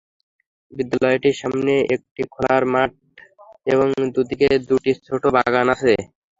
বিদ্যালয়টির সামনে একটি খেলার মাঠ এবং দুদিকে দুটি ছোট বাগান আছে।